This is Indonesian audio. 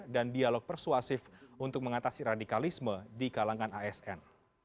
dan dialog persuasif untuk mengatasi radikalisme di kalangan asn